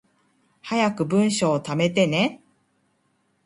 早く文章溜めてね